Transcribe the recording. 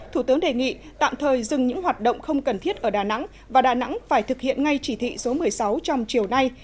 thủ tướng đề nghị tạm thời dừng những hoạt động không cần thiết ở đà nẵng và đà nẵng phải thực hiện ngay chỉ thị số một mươi sáu trong chiều nay